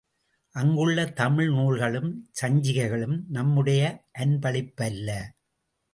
அங்குள்ள தமிழ் நூல்களும் சஞ்சிகைகளும் நம்முடைய அன்பளிப்பல்ல.